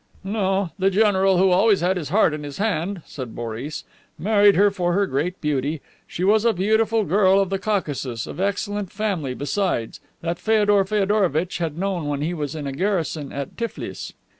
"No. The general, who always had his heart in his hand," said Boris, "married her for her great beauty. She was a beautiful girl of the Caucasus, of excellent family besides, that Feodor Feodorovitch had known when he was in garrison at Tiflis."